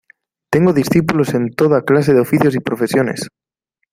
Tengo discípulos en toda clase de oficios y profesiones.